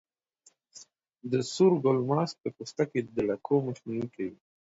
د سور ګل ماسک د پوستکي د لکو مخنیوی کوي.